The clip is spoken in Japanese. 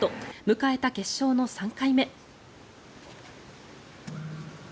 迎えた決勝の３回目。